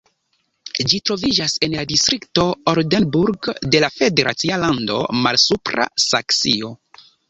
Ĝi troviĝas en la distrikto Oldenburg de la federacia lando Malsupra Saksio.